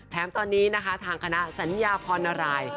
แถมตอนนี้ทางคณะสัญญาควรณราย